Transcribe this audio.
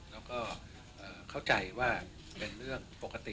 แล้วก็เข้าใจว่าเป็นเรื่องปกติ